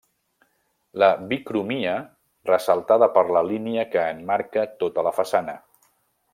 La bicromia, ressaltada per la línia que emmarca tota la façana.